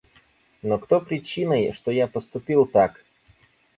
Но кто причиной, что я поступил так?